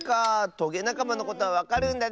トゲなかまのことはわかるんだね！